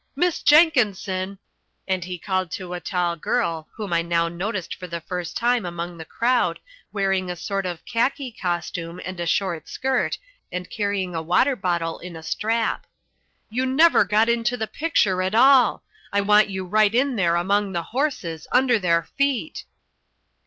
Miss Jenkinson!" and he called to a tall girl, whom I now noticed for the first time among the crowd, wearing a sort of khaki costume and a short skirt and carrying a water bottle in a strap. "You never got into the picture at all. I want you right in there among the horses, under their feet."